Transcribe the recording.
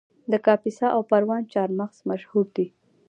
د کاپیسا او پروان چهارمغز مشهور دي